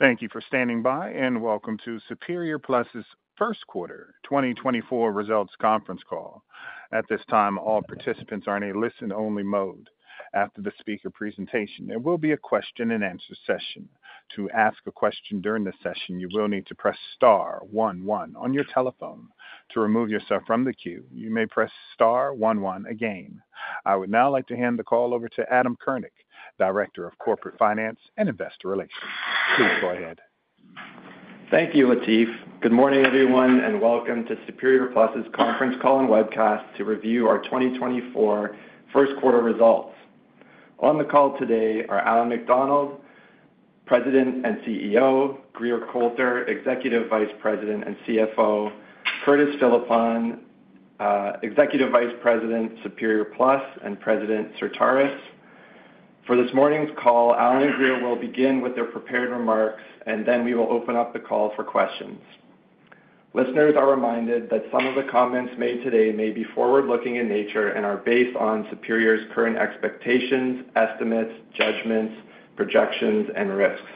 Thank you for standing by, and welcome to Superior Plus's first quarter 2024 results Conference Call. At this time, all participants are in a listen-only mode. After the speaker presentation, there will be a question-and-answer session. To ask a question during the session, you will need to press star one one on your telephone. To remove yourself from the queue, you may press star one one again. I would now like to hand the call over to Adam Kurnik, Director of Corporate Finance and Investor Relations. Please go ahead. Thank you, Latif. Good morning, everyone, and welcome to Superior Plus's Conference Call and webcast to review our 2024 first quarter results. On the call today are Allan MacDonald, President and CEO, Grier Colter, Executive Vice President and CFO, Curtis Philippon, Executive Vice President, Superior Plus, and President, Certarus. For this morning's call, Allan and Grier will begin with their prepared remarks, and then we will open up the call for questions. Listeners are reminded that some of the comments made today may be forward-looking in nature and are based on Superior's current expectations, estimates, judgments, projections, and risks.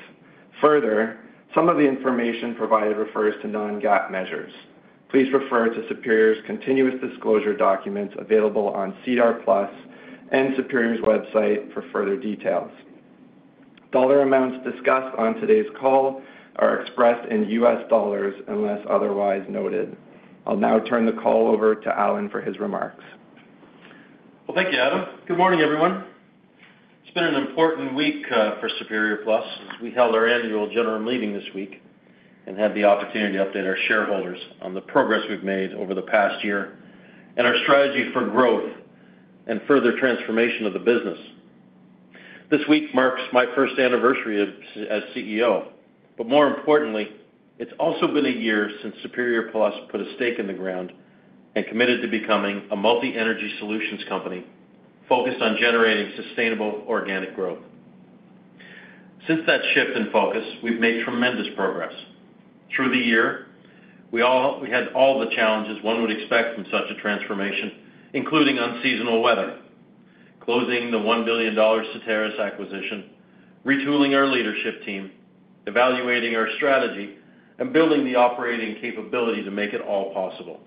Further, some of the information provided refers to non-GAAP measures. Please refer to Superior's continuous disclosure documents available on SEDAR+ and Superior's website for further details. Dollar amounts discussed on today's call are expressed in US dollars, unless otherwise noted. I'll now turn the call over to Allan for his remarks. Well, thank you, Adam. Good morning, everyone. It's been an important week for Superior Plus. We held our annual general meeting this week and had the opportunity to update our shareholders on the progress we've made over the past year and our strategy for growth and further transformation of the business. This week marks my first anniversary as CEO, but more importantly, it's also been a year since Superior Plus put a stake in the ground and committed to becoming a multi-energy solutions company focused on generating sustainable organic growth. Since that shift in focus, we've made tremendous progress. Through the year, we had all the challenges one would expect from such a transformation, including unseasonal weather, closing the $1 billion Certarus acquisition, retooling our leadership team, evaluating our strategy, and building the operating capability to make it all possible.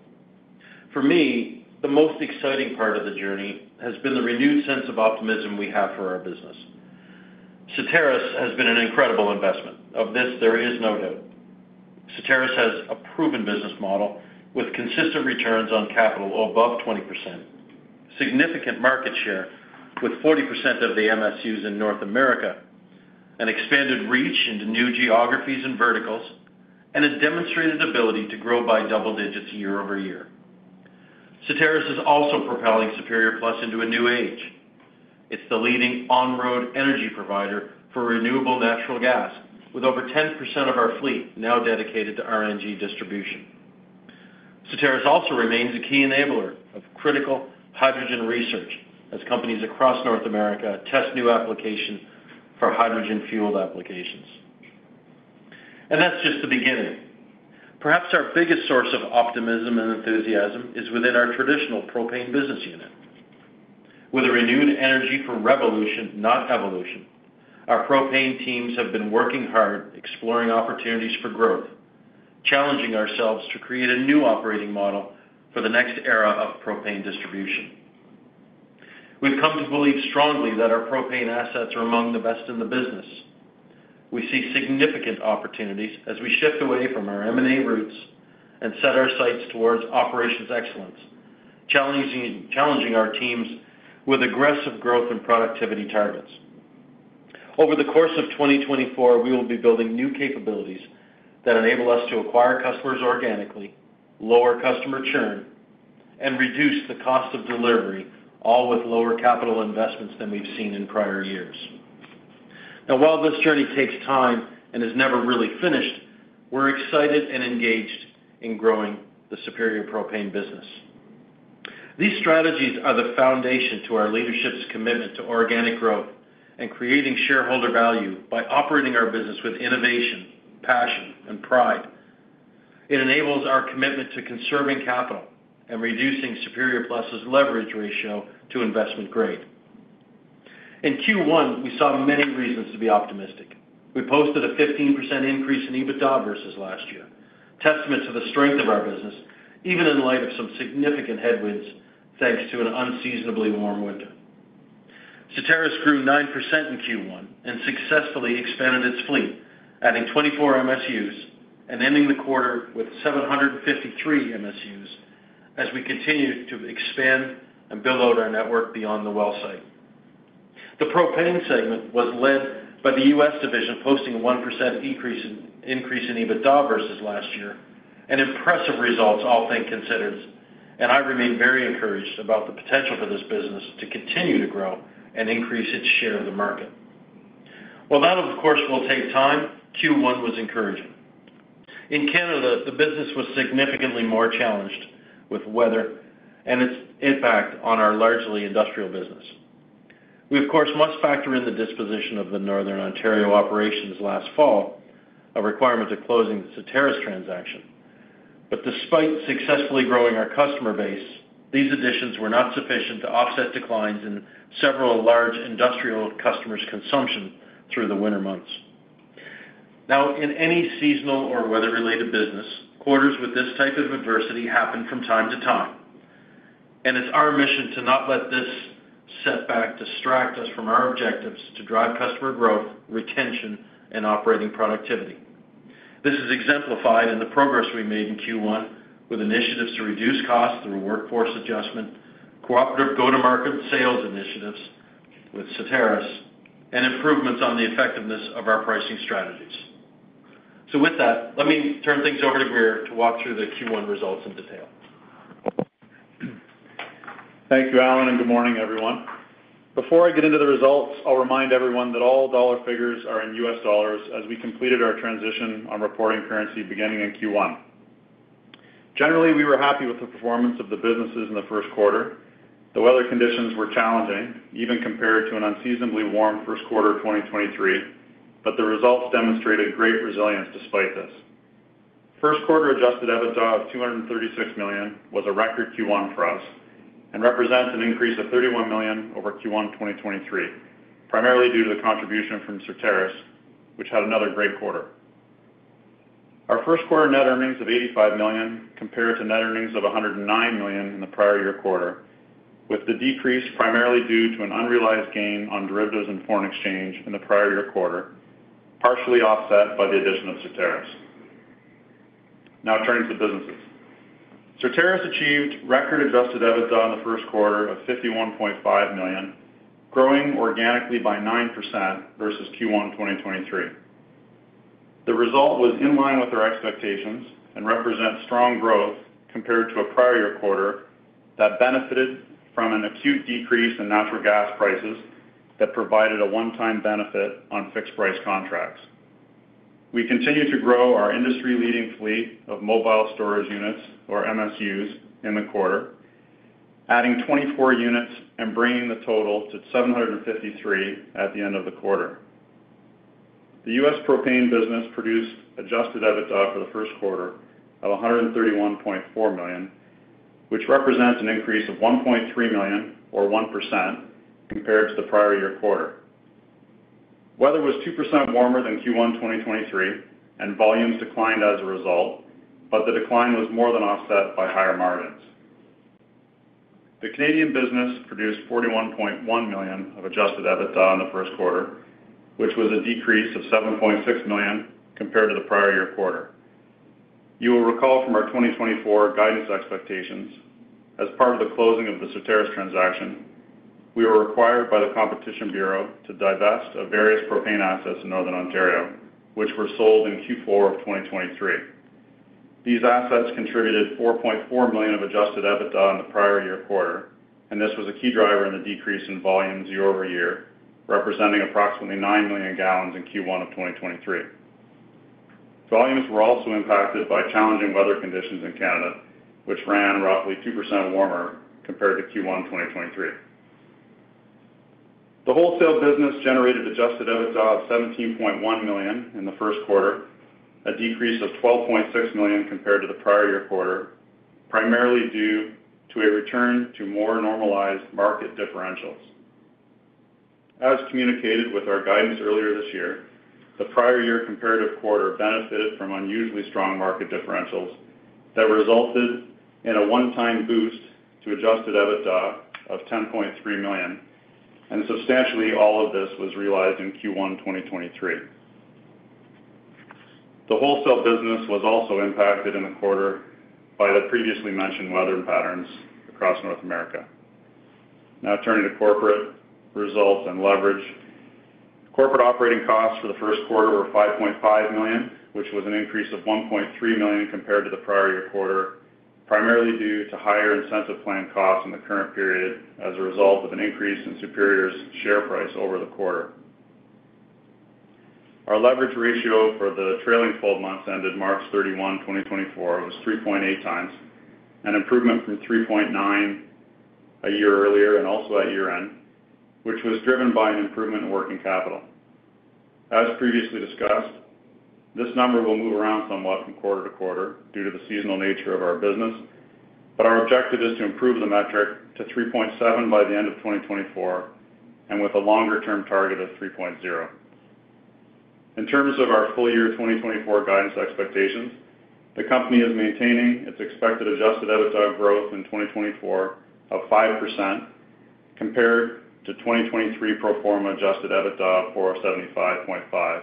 For me, the most exciting part of the journey has been the renewed sense of optimism we have for our business. Certarus has been an incredible investment. Of this, there is no doubt. Certarus has a proven business model with consistent returns on capital above 20%, significant market share with 40% of the MSUs in North America, an expanded reach into new geographies and verticals, and a demonstrated ability to grow by double digits year-over-year. Certarus is also propelling Superior Plus into a new age. It's the leading on-road energy provider for renewable natural gas, with over 10% of our fleet now dedicated to RNG distribution. Certarus also remains a key enabler of critical hydrogen research as companies across North America test new application for hydrogen-fueled applications. That's just the beginning. Perhaps our biggest source of optimism and enthusiasm is within our traditional propane business unit. With a renewed energy for revolution, not evolution, our propane teams have been working hard, exploring opportunities for growth, challenging ourselves to create a new operating model for the next era of propane distribution. We've come to believe strongly that our propane assets are among the best in the business. We see significant opportunities as we shift away from our M&A roots and set our sights towards operations excellence, challenging our teams with aggressive growth and productivity targets. Over the course of 2024, we will be building new capabilities that enable us to acquire customers organically, lower customer churn, and reduce the cost of delivery, all with lower capital investments than we've seen in prior years. Now, while this journey takes time and is never really finished, we're excited and engaged in growing the Superior Propane business. These strategies are the foundation to our leadership's commitment to organic growth and creating shareholder value by operating our business with innovation, passion, and pride. It enables our commitment to conserving capital and reducing Superior Plus's leverage ratio to investment grade. In Q1, we saw many reasons to be optimistic. We posted a 15% increase in EBITDA versus last year, testament to the strength of our business, even in light of some significant headwinds, thanks to an unseasonably warm winter. Certarus grew 9% in Q1 and successfully expanded its fleet, adding 24 MSUs and ending the quarter with 753 MSUs as we continued to expand and build out our network beyond the well site. The propane segment was led by the U.S. division, posting a 1% increase in EBITDA versus last year, an impressive results, all things considered, and I remain very encouraged about the potential for this business to continue to grow and increase its share of the market. While that, of course, will take time, Q1 was encouraging. In Canada, the business was significantly more challenged with weather and its impact on our largely industrial business. We, of course, must factor in the disposition of the Northern Ontario operations last fall, a requirement of closing the Certarus transaction. But despite successfully growing our customer base, these additions were not sufficient to offset declines in several large industrial customers' consumption through the winter months. Now, in any seasonal or weather-related business, quarters with this type of adversity happen from time to time, and it's our mission to not let this setback distract us from our objectives to drive customer growth, retention, and operating productivity. This is exemplified in the progress we made in Q1 with initiatives to reduce costs through workforce adjustment, cooperative go-to-market sales initiatives with Certarus, and improvements on the effectiveness of our pricing strategies. So with that, let me turn things over to Grier to walk through the Q1 results in detail. Thank you, Allan, and good morning, everyone. Before I get into the results, I'll remind everyone that all dollar figures are in U.S. dollars as we completed our transition on reporting currency beginning in Q1. Generally, we were happy with the performance of the businesses in the first quarter. The weather conditions were challenging, even compared to an unseasonably warm first quarter of 2023, but the results demonstrated great resilience despite this. First quarter Adjusted EBITDA of $236 million was a record Q1 for us and represents an increase of $31 million over Q1 2023, primarily due to the contribution from Certarus, which had another great quarter. Our first quarter net earnings of $85 million compared to net earnings of $109 million in the prior year quarter, with the decrease primarily due to an unrealized gain on derivatives and foreign exchange in the prior year quarter, partially offset by the addition of Certarus. Now turning to businesses. Certarus achieved record Adjusted EBITDA in the first quarter of $51.5 million, growing organically by 9% versus Q1 2023. The result was in line with our expectations and represents strong growth compared to a prior year quarter that benefited from an acute decrease in natural gas prices that provided a one-time benefit on fixed-price contracts. We continue to grow our industry-leading fleet of mobile storage units, or MSUs, in the quarter, adding 24 units and bringing the total to 753 units at the end of the quarter. The U.S. propane business produced Adjusted EBITDA for the first quarter of $131.4 million, which represents an increase of $1.3 million or 1% compared to the prior year quarter. Weather was 2% warmer than Q1 2023, and volumes declined as a result, but the decline was more than offset by higher margins. The Canadian business produced $41.1 million of Adjusted EBITDA in the first quarter, which was a decrease of $7.6 million compared to the prior year quarter. You will recall from our 2024 guidance expectations, as part of the closing of the Certarus transaction, we were required by the Competition Bureau to divest of various propane assets in Northern Ontario, which were sold in Q4 of 2023. These assets contributed $4.4 million of adjusted EBITDA in the prior year quarter, and this was a key driver in the decrease in volumes year-over-year, representing approximately 9 million gallons in Q1 of 2023. Volumes were also impacted by challenging weather conditions in Canada, which ran roughly 2% warmer compared to Q1 2023. The wholesale business generated adjusted EBITDA of $17.1 million in the first quarter, a decrease of $12.6 million compared to the prior year quarter, primarily due to a return to more normalized market differentials. As communicated with our guidance earlier this year, the prior year comparative quarter benefited from unusually strong market differentials that resulted in a one-time boost to adjusted EBITDA of $10.3 million, and substantially all of this was realized in Q1 2023. The wholesale business was also impacted in the quarter by the previously mentioned weather patterns across North America. Now turning to corporate results and leverage. Corporate operating costs for the first quarter were $5.5 million, which was an increase of $1.3 million compared to the prior year quarter, primarily due to higher incentive plan costs in the current period as a result of an increase in Superior's share price over the quarter. Our leverage ratio for the trailing 12 months ended 31/03/ 2024, was 3.8x, an improvement from 3.9x a year earlier and also at year-end, which was driven by an improvement in working capital. As previously discussed, this number will move around somewhat from quarter to quarter due to the seasonal nature of our business, but our objective is to improve the metric to 3.7 by the end of 2024, and with a longer-term target of 3.0. In terms of our full year 2024 guidance expectations, the company is maintaining its expected Adjusted EBITDA growth in 2024 of 5% compared to 2023 pro forma Adjusted EBITDA for $75.5 million.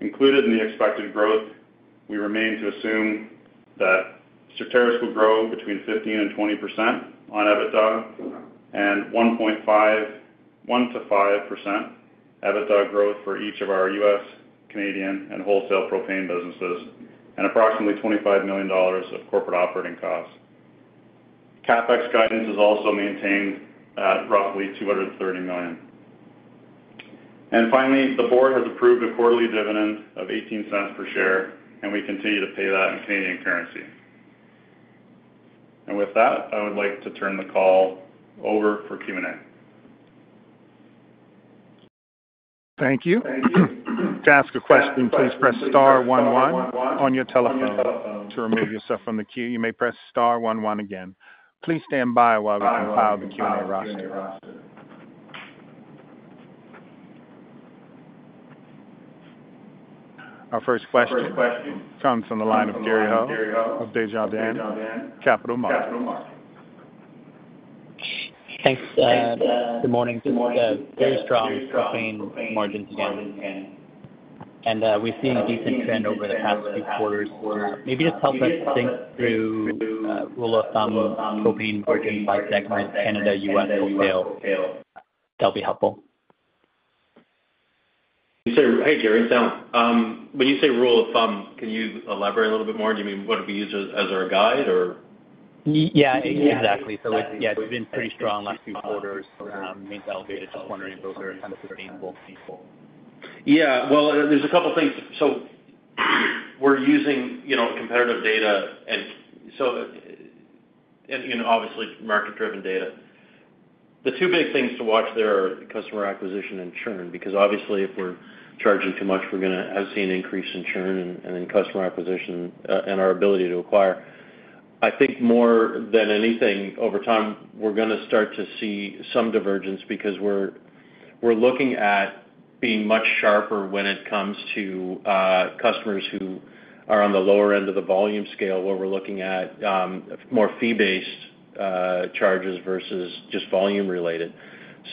Included in the expected growth, we remain to assume that Certarus will grow between 15%-20% on EBITDA, and 1%-5% EBITDA growth for each of our U.S., Canadian, and wholesale propane businesses, and approximately $25 million of corporate operating costs. CapEx guidance is also maintained at roughly $230 million. And finally, the board has approved a quarterly dividend of 0.18 per share, and we continue to pay that in Canadian currency. And with that, I would like to turn the call over for Q&A.... Thank you. To ask a question, please press star one one on your telephone. To remove yourself from the queue, you may press star one one again. Please stand by while we compile the Q&A roster. Our first question comes from the line of Gary Ho of Desjardins Capital Markets. Thanks, good morning. This is a very strong propane margin stand, and, we've seen a decent trend over the past few quarters. Maybe just help us think through, rule of thumb, propane margin by segment, Canada, U.S., wholesale. That'll be helpful. Hey, Gary. So, when you say rule of thumb, can you elaborate a little bit more? Do you mean what we use as our guide, or? Yeah, exactly. So, yeah, it's been pretty strong last few quarters, maintained elevated. Just wondering if those are kind of sustainable feasible. Yeah, well, there's a couple things. So, we're using, you know, competitive data, and so, you know, obviously, market-driven data. The two big things to watch there are customer acquisition and churn, because, obviously, if we're charging too much, we're gonna have seen an increase in churn and in customer acquisition and our ability to acquire. I think more than anything, over time, we're gonna start to see some divergence because we're looking at being much sharper when it comes to customers who are on the lower end of the volume scale, where we're looking at more fee-based charges versus just volume-related.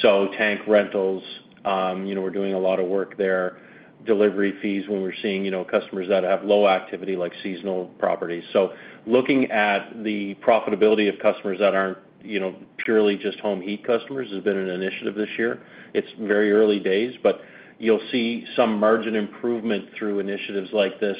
So tank rentals, you know, we're doing a lot of work there. Delivery fees, when we're seeing, you know, customers that have low activity, like seasonal properties. So looking at the profitability of customers that aren't, you know, purely just home heat customers, has been an initiative this year. It's very early days, but you'll see some margin improvement through initiatives like this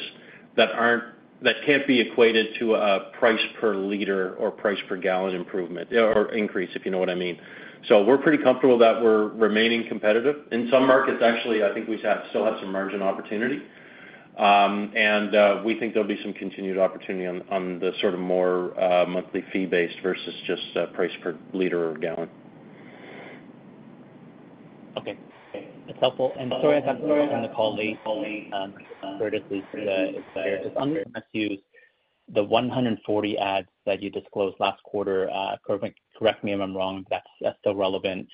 that aren't, that can't be equated to a price per liter or price per gallon improvement, or increase, if you know what I mean. So we're pretty comfortable that we're remaining competitive. In some markets, actually, I think we have, still have some margin opportunity. And, we think there'll be some continued opportunity on, on the sort of more, monthly fee-based versus just, price per liter or gallon. Okay. That's helpful. Sorry, I hopped on the call late, Curtis, on the MSUs, the 140 adds that you disclosed last quarter, correct me if I'm wrong, that's still relevant.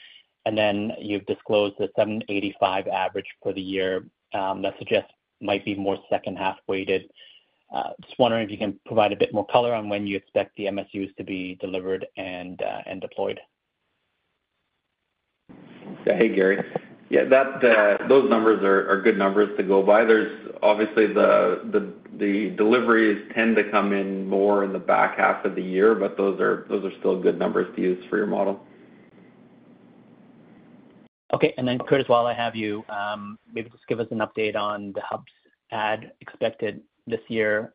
Then you've disclosed the 785 average for the year, that suggests might be more second half-weighted. Just wondering if you can provide a bit more color on when you expect the MSUs to be delivered and deployed. Hey, Gary. Yeah, that, those numbers are good numbers to go by. There's obviously the deliveries tend to come in more in the back half of the year, but those are still good numbers to use for your model. Okay. And then, Curtis, while I have you, maybe just give us an update on the hubs add expected this year,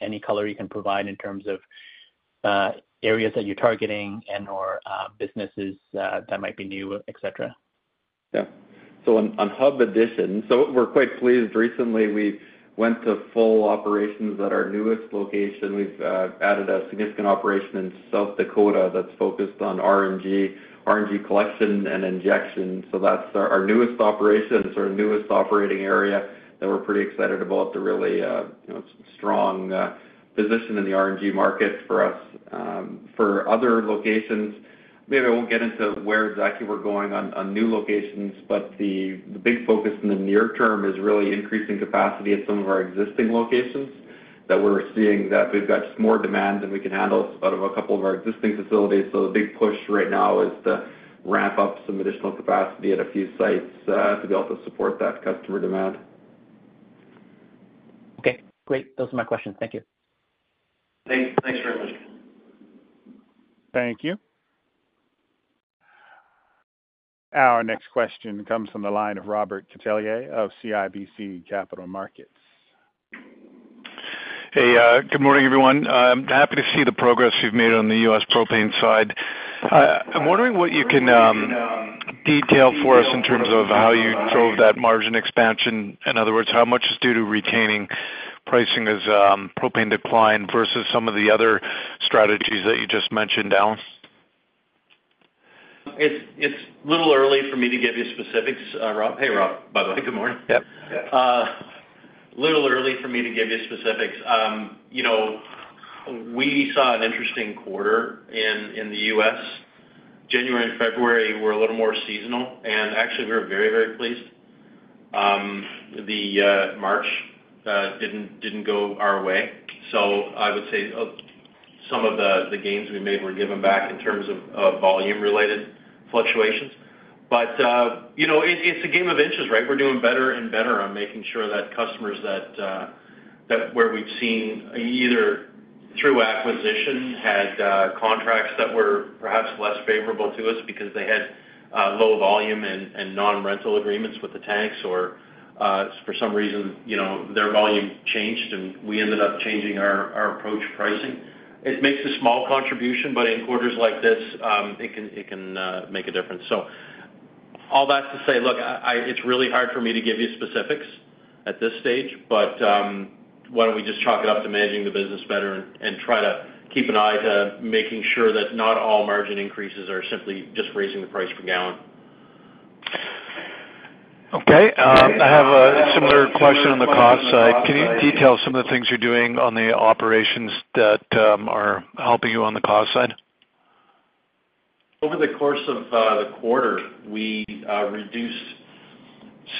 any color you can provide in terms of, areas that you're targeting and/or, businesses, that might be new, et cetera. Yeah. So on hub additions, so we're quite pleased. Recently, we went to full operations at our newest location. We've added a significant operation in South Dakota that's focused on RNG, RNG collection and injection. So that's our newest operation. It's our newest operating area that we're pretty excited about the really, you know, strong position in the RNG market for us. For other locations, maybe I won't get into where exactly we're going on new locations, but the big focus in the near term is really increasing capacity at some of our existing locations that we're seeing, that we've got just more demand than we can handle out of a couple of our existing facilities. So the big push right now is to ramp up some additional capacity at a few sites to be able to support that customer demand. Okay, great. Those are my questions. Thank you. Thanks very much. Thank you. Our next question comes from the line of Robert Catellier of CIBC Capital Markets. Hey, good morning, everyone. I'm happy to see the progress you've made on the U.S. propane side. I'm wondering what you can detail for us in terms of how you drove that margin expansion. In other words, how much is due to retaining pricing as propane decline versus some of the other strategies that you just mentioned, Allan? It's a little early for me to give you specifics, Rob. Hey, Rob, by the way, good morning. Yep. A little early for me to give you specifics. You know, we saw an interesting quarter in the U.S. January and February were a little more seasonal, and actually, we were very, very pleased. March didn't go our way. So I would say some of the gains we made were given back in terms of volume-related fluctuations. But you know, it's a game of inches, right? We're doing better and better on making sure that customers that where we've seen, either through acquisition, had contracts that were perhaps less favorable to us because they had low volume and non-rental agreements with the tanks, or for some reason, you know, their volume changed, and we ended up changing our approach pricing. It makes a small contribution, but in quarters like this, it can make a difference. So all that's to say, look, it's really hard for me to give you specifics at this stage, but, why don't we just chalk it up to managing the business better and try to keep an eye to making sure that not all margin increases are simply just raising the price per gallon. Okay. I have a similar question on the cost side. Can you detail some of the things you're doing on the operations that are helping you on the cost side? Over the course of the quarter, we reduced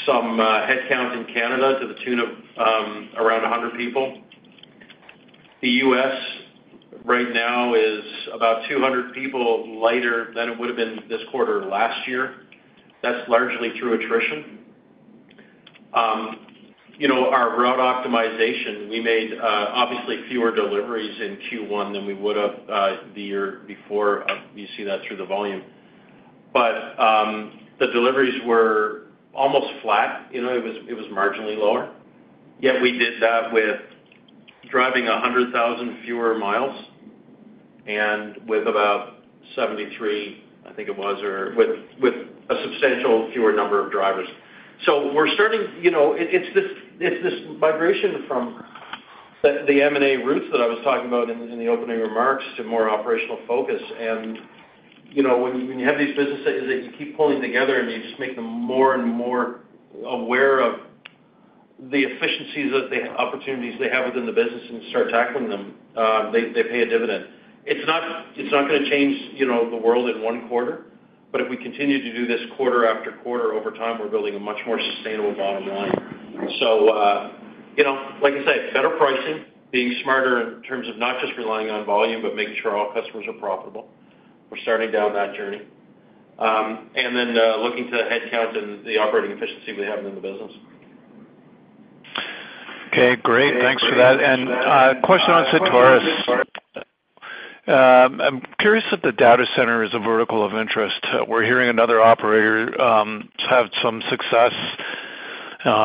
some headcount in Canada to the tune of around 100 people. The U.S., right now, is about 200 people lighter than it would have been this quarter last year. That's largely through attrition. You know, our route optimization, we made obviously fewer deliveries in Q1 than we would've the year before. You see that through the volume. But the deliveries were almost flat, you know, it was marginally lower. Yet we did that with driving 100,000 fewer miles and with about 73, I think it was, or with a substantial fewer number of drivers. So we're starting you know, it's this migration from the M&A routes that I was talking about in the opening remarks to more operational focus. You know, when you, when you have these businesses that you keep pulling together, and you just make them more and more aware of the efficiencies that they—opportunities they have within the business and start tackling them, they, they pay a dividend. It's not, it's not gonna change, you know, the world in one quarter, but if we continue to do this quarter after quarter, over time, we're building a much more sustainable bottom line. So, you know, like I said, better pricing, being smarter in terms of not just relying on volume, but making sure all customers are profitable. We're starting down that journey. And then, looking to the headcount and the operating efficiency we have in the business. Okay, great. Thanks for that. And, question on Certarus. I'm curious if the data center is a vertical of interest. We're hearing another operator have some success,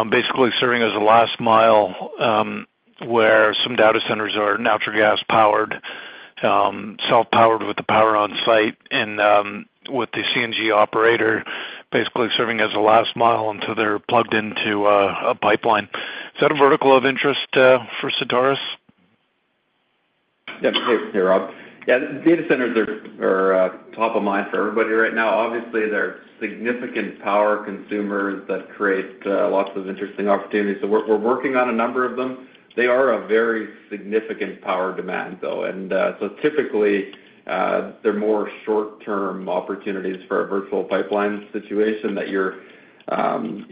basically serving as a last mile, where some data centers are natural gas-powered, self-powered with the power on site and, with the CNG operator basically serving as the last mile until they're plugged into a pipeline. Is that a vertical of interest for Certarus? Yeah. Thanks, Rob. Yeah, data centers are top of mind for everybody right now. Obviously, they're significant power consumers that create lots of interesting opportunities. So we're working on a number of them. They are a very significant power demand, though. And so typically, they're more short-term opportunities for a virtual pipeline situation that you're,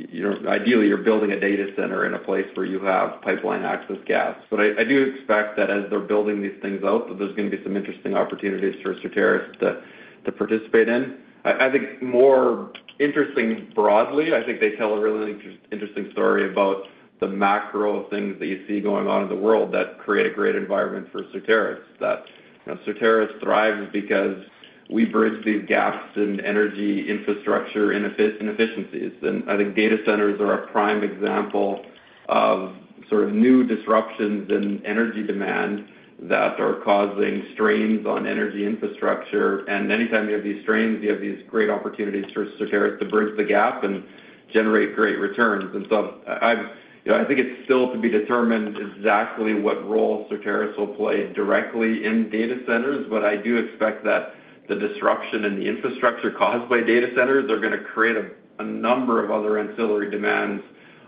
you know, ideally, you're building a data center in a place where you have pipeline access gas. But I do expect that as they're building these things out, that there's gonna be some interesting opportunities for Certarus to participate in. I think more interesting, broadly, I think they tell a really interesting story about the macro things that you see going on in the world that create a great environment for Certarus. That, you know, Certarus thrives because we bridge these gaps in energy infrastructure inefficiencies. And I think data centers are a prime example of sort of new disruptions in energy demand that are causing strains on energy infrastructure. And anytime you have these strains, you have these great opportunities for Certarus to bridge the gap and generate great returns. And so I've, you know, I think it's still to be determined exactly what role Certarus will play directly in data centers, but I do expect that the disruption in the infrastructure caused by data centers are gonna create a, a number of other ancillary demands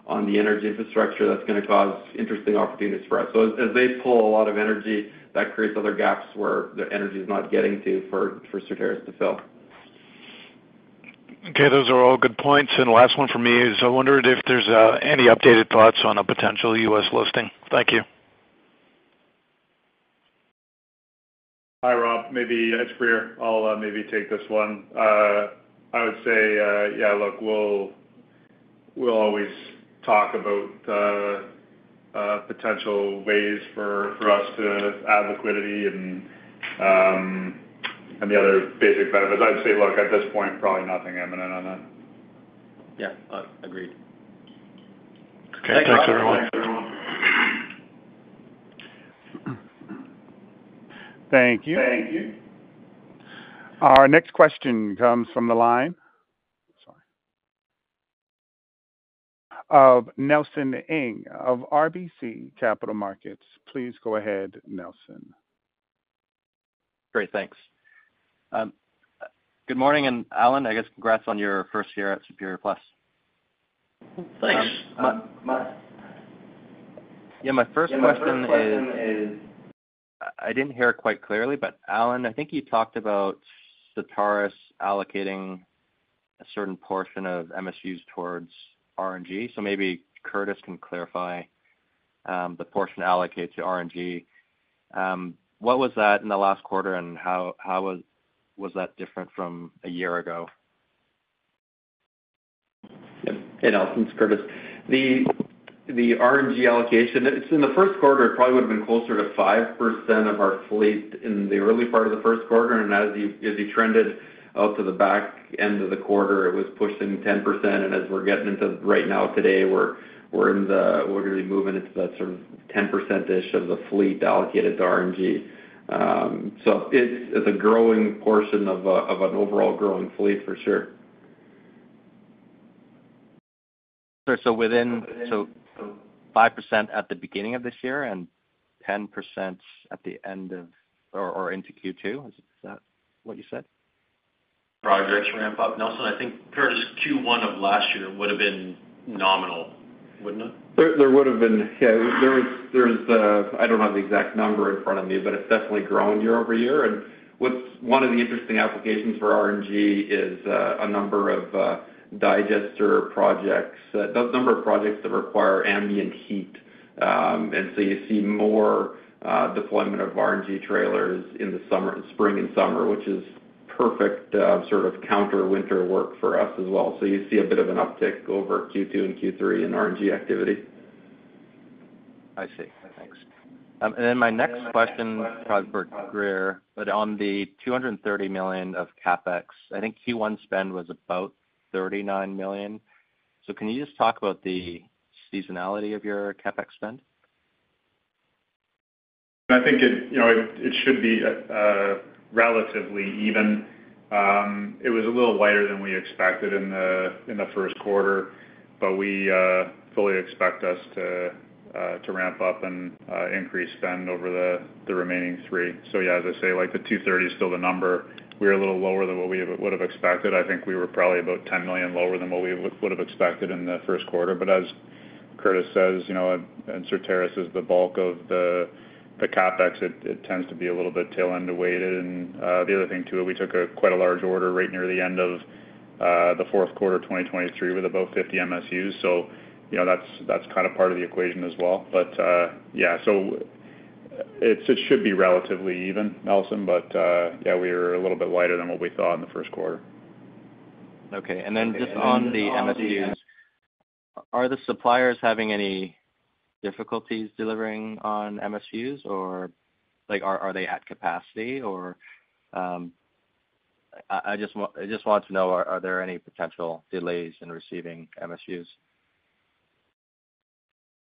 on the energy infrastructure that's gonna cause interesting opportunities for us. So as, as they pull a lot of energy, that creates other gaps where the energy is not getting to, for, for Certarus to fill. Okay, those are all good points. And last one from me is, I wondered if there's any updated thoughts on a potential U.S. listing? Thank you. Hi, Rob. Maybe it's Grier. I'll maybe take this one. I would say, yeah, look, we'll always talk about potential ways for us to add liquidity and the other basic benefits. I'd say, look, at this point, probably nothing imminent on that. Yeah, I agree. Okay. Thanks, everyone. Thank you. Our next question comes from the line, sorry, of Nelson Ng of RBC Capital Markets. Please go ahead, Nelson. Great, thanks. Good morning, and Allan, I guess congrats on your first year at Superior Plus. Thanks. Yeah, my first question is, I didn't hear it quite clearly, but Allan, I think you talked about Certarus allocating a certain portion of MSUs towards RNG. So maybe Curtis can clarify the portion allocated to RNG. What was that in the last quarter, and how was that different from a year ago? Yep. Hey, Nelson, it's Curtis. The RNG allocation, it's in the first quarter, it probably would have been closer to 5% of our fleet in the early part of the first quarter, and as you trended out to the back end of the quarter, it was pushing 10%. And as we're getting into right now, today, we're moving into that sort of 10%-ish of the fleet allocated to RNG. So it's a growing portion of an overall growing fleet, for sure. So 5% at the beginning of this year and 10% at the end of, or into Q2, is that what you said? Projects ramp up, Nelson. I think Curtis' Q1 of last year would have been nominal, wouldn't it? There, there would have been, yeah. There was, there's the—I don't have the exact number in front of me, but it's definitely grown year-over-year. And what's one of the interesting applications for RNG is, a number of, digester projects, the number of projects that require ambient heat. And so you see more, deployment of RNG trailers in the summer, spring and summer, which is perfect, sort of counter winter work for us as well. So you see a bit of an uptick over Q2 and Q3 in RNG activity. I see. Thanks. And then my next question, probably for Grier, but on the $230 million of CapEx, I think Q1 spend was about $39 million. So can you just talk about the seasonality of your CapEx spend? I think it, you know, it should be at relatively even. It was a little lighter than we expected in the first quarter, but we fully expect us to ramp up and increase spend over the remaining three. So yeah, as I say, like, the 230 is still the number. We're a little lower than what we would have expected. I think we were probably about $10 million lower than what we would have expected in the first quarter. But as Curtis says, you know, and Certarus is the bulk of the CapEx, it tends to be a little bit tail-end weighted. And the other thing, too, we took quite a large order right near the end of the fourth quarter, 2023, with about 50 MSUs. So you know, that's, that's kind of part of the equation as well. But, yeah, so it, it should be relatively even, Nelson. But, yeah, we were a little bit lighter than what we thought in the first quarter. Okay. And then just on the MSUs, are the suppliers having any difficulties delivering on MSUs, or like, are they at capacity? Or, I just want to know, are there any potential delays in receiving MSUs?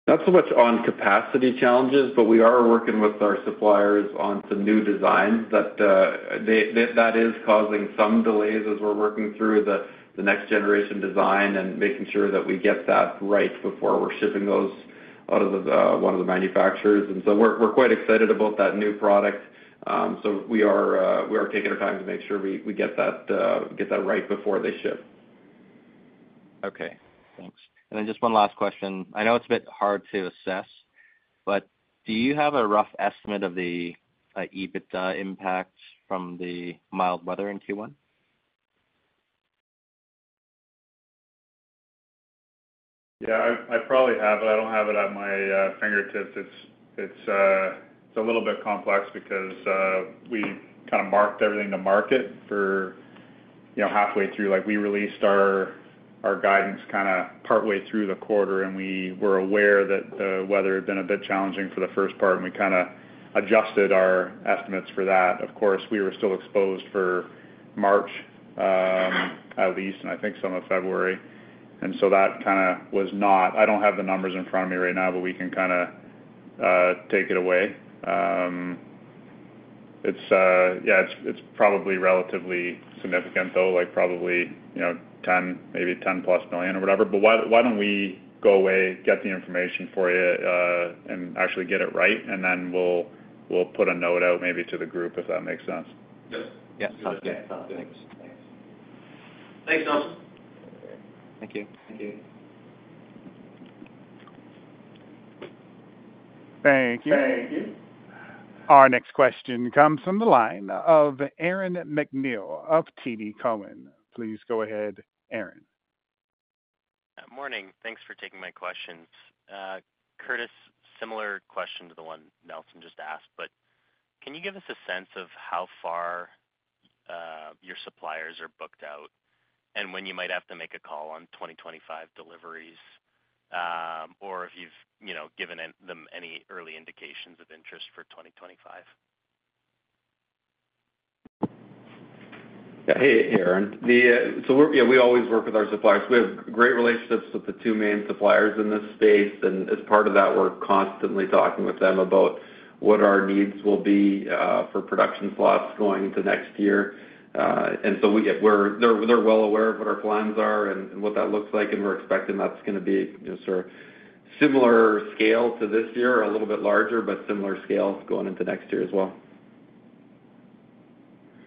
Not so much on capacity challenges, but we are working with our suppliers on some new designs that that is causing some delays as we're working through the next generation design and making sure that we get that right before we're shipping those out of one of the manufacturers. And so we're quite excited about that new product. So we are taking our time to make sure we get that right before they ship. Okay, thanks. And then just one last question. I know it's a bit hard to assess, but do you have a rough estimate of the EBITDA impact from the mild weather in Q1? Yeah, I probably have, but I don't have it at my fingertips. It's a little bit complex because we kind of marked everything to market for, you know, halfway through. Like, we released our guidance kind of partway through the quarter, and we were aware that the weather had been a bit challenging for the first part, and we kind of adjusted our estimates for that. Of course, we were still exposed for March, at least, and I think some of February, and so that kind of was not... I don't have the numbers in front of me right now, but we can kind of take it away. Yeah, it's probably relatively significant, though, like probably, you know, $10 million, maybe $10+ million or whatever. Why, why don't we go away, get the information for you, and actually get it right, and then we'll put a note out maybe to the group, if that makes sense? Yes. Yeah. Sounds good. Thanks. Thanks. Thanks, Nelson. Thank you. Thank you. Thank you. Our next question comes from the line of Aaron MacNeil of TD Cowen. Please go ahead, Aaron. Morning. Thanks for taking my questions. Curtis, similar question to the one Nelson just asked, but can you give us a sense of how far your suppliers are booked out, and when you might have to make a call on 2025 deliveries? Or if you've, you know, given them any early indications of interest for 2025. Yeah. Hey, Aaron, so we always work with our suppliers. We have great relationships with the two main suppliers in this space, and as part of that, we're constantly talking with them about what our needs will be for production slots going into next year. And so they're well aware of what our plans are and what that looks like, and we're expecting that's gonna be sort of similar scale to this year, a little bit larger, but similar scale going into next year as well.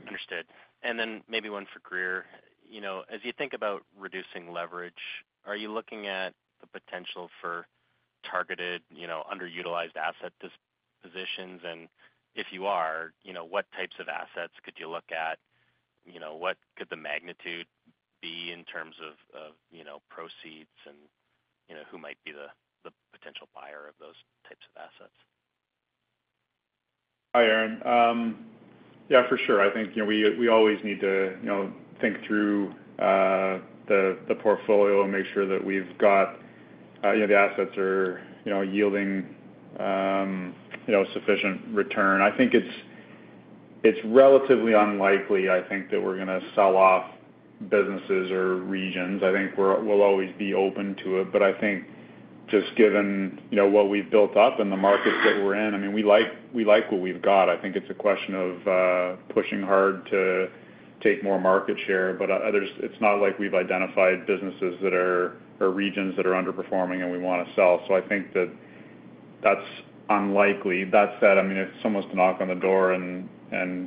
Understood. And then maybe one for Grier. You know, as you think about reducing leverage, are you looking at the potential for targeted, you know, underutilized asset positions? And if you are, you know, what types of assets could you look at? You know, what could the magnitude be in terms of, you know, proceeds? And, you know, who might be the potential buyer of those types of assets? Hi, Aaron. Yeah, for sure. I think, you know, we always need to, you know, think through the portfolio and make sure that we've got you know, the assets are you know, yielding you know, sufficient return. I think it's-... It's relatively unlikely, I think, that we're gonna sell off businesses or regions. I think we'll always be open to it, but I think just given, you know, what we've built up and the markets that we're in, I mean, we like, we like what we've got. I think it's a question of pushing hard to take more market share. But it's not like we've identified businesses that are, or regions that are underperforming, and we wanna sell. So I think that that's unlikely. That said, I mean, if someone's to knock on the door and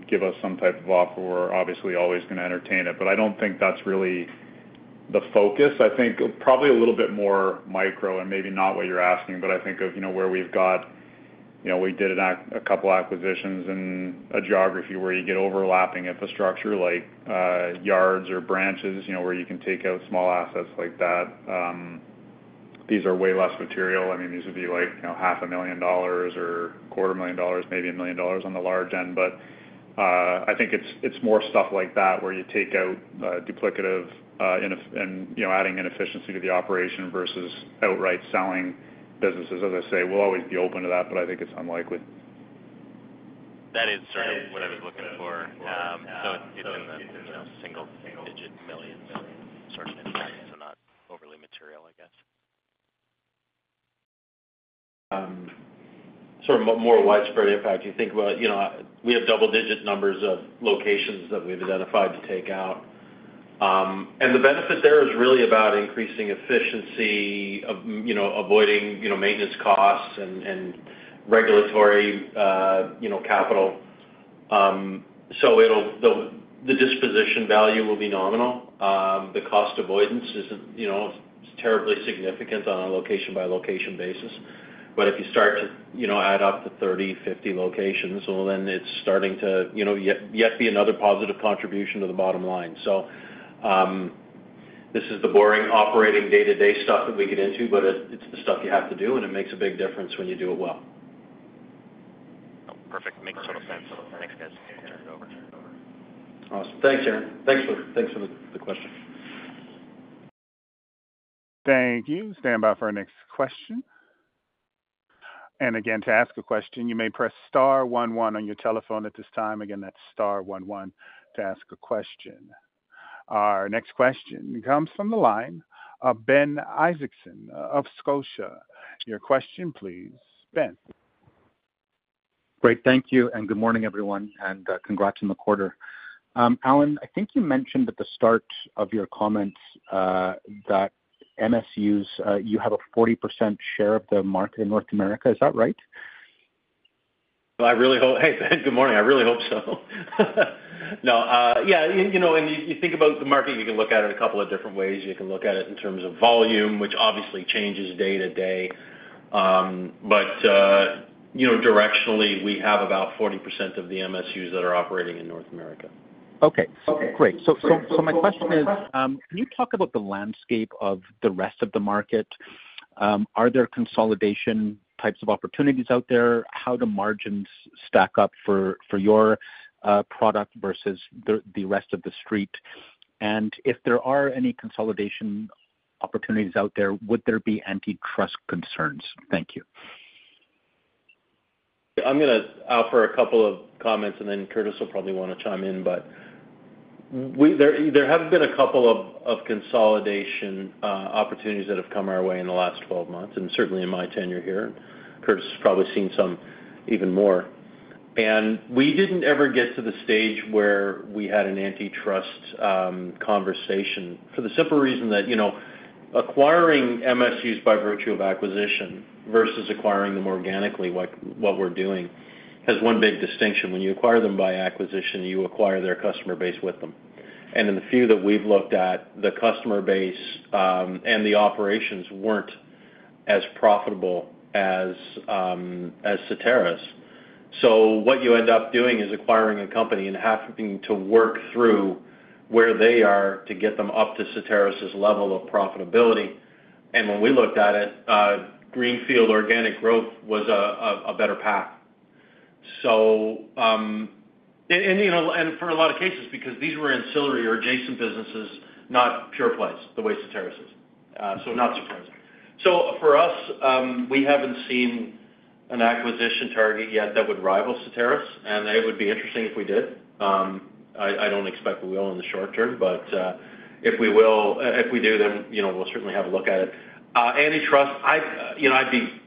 give us some type of offer, we're obviously always gonna entertain it, but I don't think that's really the focus. I think probably a little bit more micro and maybe not what you're asking, but I think of, you know, where we've got, you know, we did a couple acquisitions in a geography where you get overlapping infrastructure, like, yards or branches, you know, where you can take out small assets like that. These are way less material. I mean, these would be like, you know, $500,000 or $250,000, maybe $1 million on the large end. But, I think it's, it's more stuff like that, where you take out, duplicative inefficiency, and, you know, adding inefficiency to the operation versus outright selling businesses. As I say, we'll always be open to that, but I think it's unlikely. That is sort of what I was looking for. So it's in the, you know, $1-$9 million sort of impact, so not overly material, I guess. Sort of more, more widespread impact. You think about, you know, we have double-digit numbers of locations that we've identified to take out. And the benefit there is really about increasing efficiency, of, you know, avoiding, you know, maintenance costs and, and regulatory, you know, capital. So it'll, the, the disposition value will be nominal. The cost avoidance isn't, you know, terribly significant on a location-by-location basis. But if you start to, you know, add up to 30, 50 locations, well, then it's starting to, you know, yet, yet be another positive contribution to the bottom line. So, this is the boring, operating, day-to-day stuff that we get into, but it, it's the stuff you have to do, and it makes a big difference when you do it well. Oh, perfect. Makes total sense. Thanks, guys. Turn it over. Awesome. Thanks, Aaron. Thanks for the question. Thank you. Stand by for our next question. And again, to ask a question, you may press star one one on your telephone at this time. Again, that's star one one to ask a question. Our next question comes from the line of Ben Isaacson of Scotia. Your question, please, Ben. Great. Thank you, and good morning, everyone, and congrats on the quarter. Alan, I think you mentioned at the start of your comments that MSUs, you have a 40% share of the market in North America. Is that right? I really hope... Hey, Ben, good morning. I really hope so. No, yeah, you know, when you think about the market, you can look at it a couple of different ways. You can look at it in terms of volume, which obviously changes day to day. But, you know, directionally, we have about 40% of the MSUs that are operating in North America. Okay, great. So my question is, can you talk about the landscape of the rest of the market? Are there consolidation types of opportunities out there? How do margins stack up for your product versus the rest of the street? And if there are any consolidation opportunities out there, would there be antitrust concerns? Thank you. I'm gonna offer a couple of comments, and then Curtis will probably want to chime in. But there have been a couple of consolidation opportunities that have come our way in the last 12 months, and certainly in my tenure here. Curtis has probably seen some even more. And we didn't ever get to the stage where we had an antitrust conversation for the simple reason that, you know, acquiring MSUs by virtue of acquisition versus acquiring them organically, like what we're doing, has one big distinction. When you acquire them by acquisition, you acquire their customer base with them. And in the few that we've looked at, the customer base and the operations weren't as profitable as Certarus. So what you end up doing is acquiring a company and having to work through where they are to get them up to Certarus's level of profitability. And when we looked at it, greenfield organic growth was a better path. So, you know, and for a lot of cases, because these were ancillary or adjacent businesses, not pure plays, the way Certarus is. So not surprising. So for us, we haven't seen an acquisition target yet that would rival Certarus's, and it would be interesting if we did. I don't expect we will in the short term, but, if we will - if we do, then, you know, we'll certainly have a look at it. Antitrust, I'd, you know, I'd be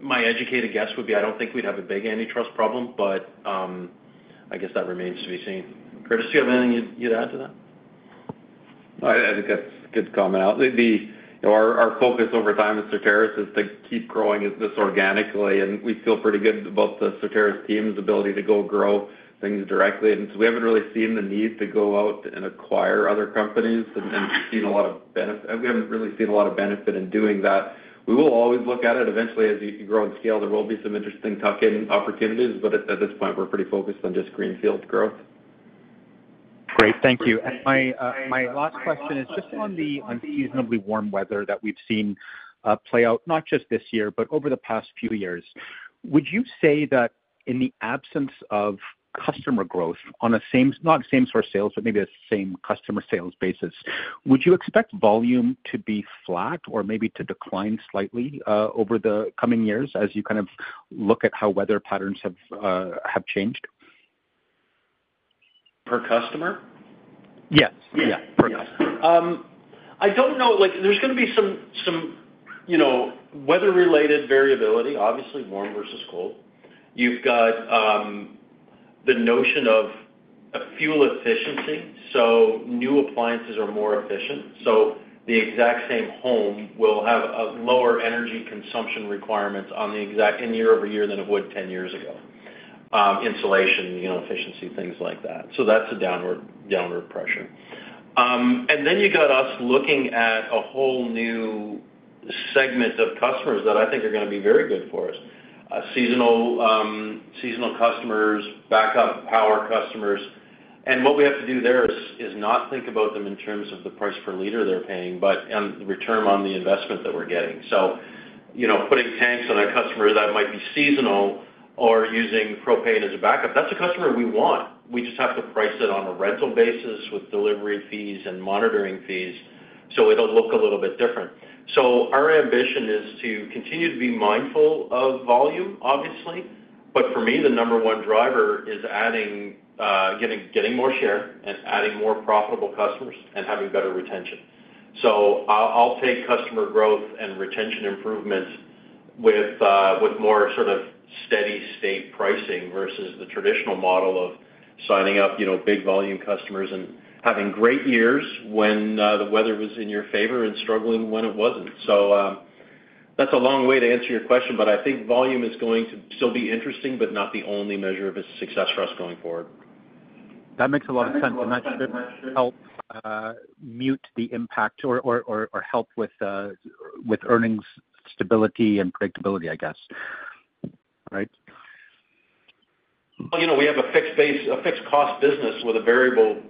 my educated guess would be, I don't think we'd have a big antitrust problem, but, I guess that remains to be seen. Curtis, do you have anything you'd add to that? I think that's a good comment. You know, our focus over time at Certarus is to keep growing this organically, and we feel pretty good about the Certarus team's ability to go grow things directly. And so we haven't really seen the need to go out and acquire other companies, and we haven't really seen a lot of benefit in doing that. We will always look at it. Eventually, as you grow in scale, there will be some interesting tuck-in opportunities, but at this point, we're pretty focused on just greenfield growth. Great. Thank you. And my, my last question is just on the unseasonably warm weather that we've seen, play out, not just this year, but over the past few years. Would you say that in the absence of customer growth on a same, not same store sales, but maybe a same customer sales basis, would you expect volume to be flat or maybe to decline slightly, over the coming years as you kind of look at how weather patterns have, have changed? ...Per customer? Yes. Yeah, per customer. I don't know. Like, there's gonna be some, you know, weather-related variability, obviously, warm versus cold. You've got the notion of a fuel efficiency, so new appliances are more efficient. So the exact same home will have a lower energy consumption requirements in year-over-year than it would 10 years ago. Insulation, you know, efficiency, things like that. So that's a downward pressure. And then you got us looking at a whole new segment of customers that I think are gonna be very good for us. Seasonal customers, backup power customers. And what we have to do there is not think about them in terms of the price per liter they're paying, but on the return on the investment that we're getting. So, you know, putting tanks on a customer that might be seasonal or using propane as a backup, that's a customer we want. We just have to price it on a rental basis with delivery fees and monitoring fees, so it'll look a little bit different. So our ambition is to continue to be mindful of volume, obviously. But for me, the number one driver is adding, getting more share and adding more profitable customers and having better retention. So I'll take customer growth and retention improvements with more sort of steady state pricing versus the traditional model of signing up, you know, big volume customers and having great years when the weather was in your favor and struggling when it wasn't. That's a long way to answer your question, but I think volume is going to still be interesting, but not the only measure of a success for us going forward. That makes a lot of sense, and that should help mute the impact or help with earnings stability and predictability, I guess. Right? Well, you know, we have a fixed base, a fixed cost business with a variable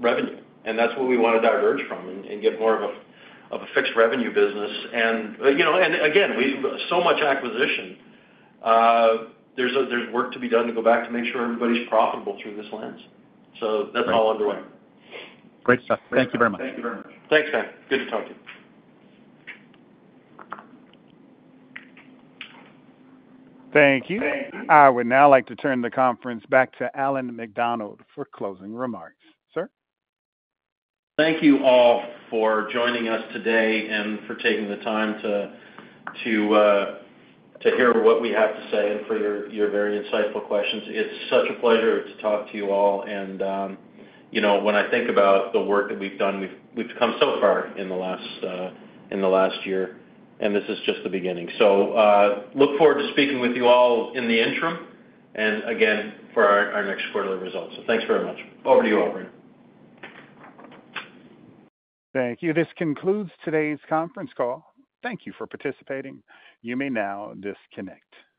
revenue, and that's what we wanna diverge from and get more of a fixed revenue business. And, you know, and again, we've so much acquisition, there's work to be done to go back to make sure everybody's profitable through this lens. So that's all underway. Great stuff. Thank you very much. Thanks, Ben. Good to talk to you. Thank you. I would now like to turn the conference back to Allan MacDonald for closing remarks. Sir? Thank you all for joining us today and for taking the time to hear what we have to say and for your very insightful questions. It's such a pleasure to talk to you all, and, you know, when I think about the work that we've done, we've come so far in the last year, and this is just the beginning. So, look forward to speaking with you all in the interim and again for our next quarterly results. So thanks very much. Over to you, Aubrey. Thank you. This concludes today's conference call. Thank you for participating. You may now disconnect.